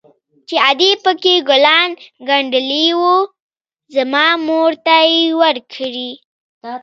چې ادې پكښې ګلان ګنډلي وو زما مور ته يې وركړي.